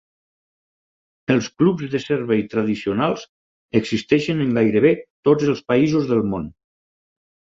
Els clubs de servei tradicionals existeixen en gairebé tots els països del món.